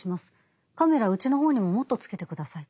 カメラうちの方にももっとつけて下さい。